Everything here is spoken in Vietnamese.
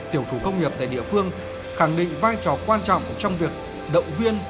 tiểu thủ công nghiệp tại địa phương khẳng định vai trò quan trọng trong việc động viên